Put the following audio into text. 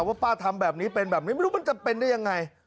ว่าป้าทำแบบนี้เป็นแบบนี้ไม่รู้มันจะเป็นได้ยังไง